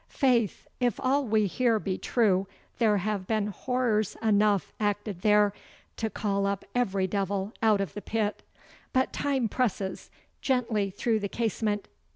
Faith, if all we hear be true, there have been horrors enough acted there to call up every devil out of the pit. But time presses. Gently through the casement!